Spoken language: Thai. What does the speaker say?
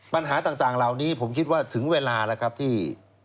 ปัญหาต่างเหล่านี้ผมคิดว่าถึงเวลาแล้วครับที่